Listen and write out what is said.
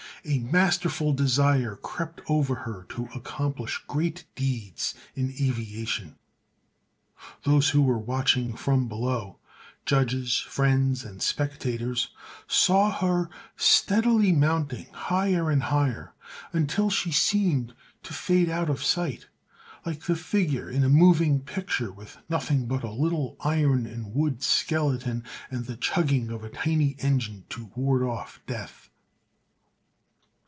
A masterful desire crept over her to accomplish great deeds in aviation. Those who were watching from below—judges, friends and spectators—saw her steadily mounting, higher and higher, until she seemed to fade out of sight like the figure in a moving picture, with nothing but a little iron and wood skeleton and the chugging of a tiny engine to ward off death.